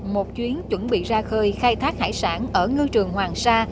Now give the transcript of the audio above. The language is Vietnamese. một chuyến chuẩn bị ra khơi khai thác hải sản ở ngư trường hoàng sa